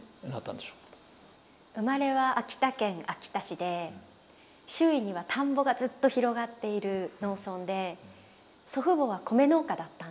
生まれは秋田県秋田市で周囲には田んぼがずっと広がっている農村で祖父母は米農家だったんです。